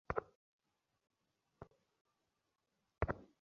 আমাকে তার হাতে তুলে দাও।